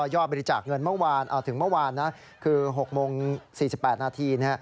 ยอดบริจาคเงินเมื่อวานถึงเมื่อวานนะคือ๖โมง๔๘นาที